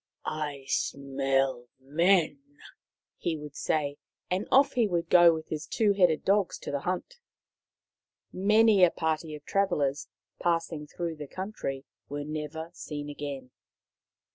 " I smell men," he would say, and off he would go with his two headed dogs to the hunt. Many a party of travellers, passing through the country, was never seen again.